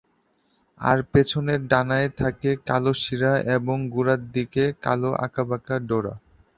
আর পেছনের ডানায় থাকে কালো শিরা এবং গোড়ার দিকে কালো আঁকাবাঁকা ডোরা।